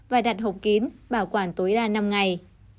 và đặt hộp kín bảo quản tối đa năm ngày